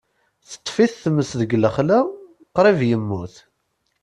Teṭṭef-it tmes deg lexla, qrib yemmut.